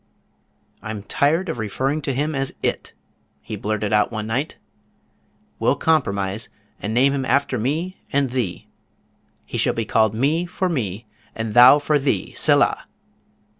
"I'm tired of referring to him as IT," he blurted out one night. "We'll compromise, and name him after me and thee. He shall be called Me for me, and Thou for thee, Selah!"